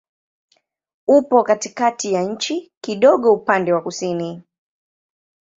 Upo katikati ya nchi, kidogo upande wa kusini.